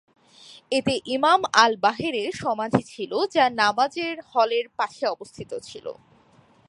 এতে ইমাম আল-বাহেরের সমাধি ছিল, যা নামাজের হলের পাশে অবস্থিত ছিল।